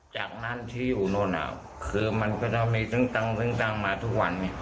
จากนั้นที่อยู่โน่นอ่ะคือมันก็จะมีซึ้งตังซึ้งตังมาทุกวันเนี่ย